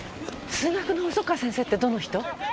数学の細川先生ってどの人？